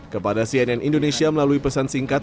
kepada cnn indonesia melalui pesan singkat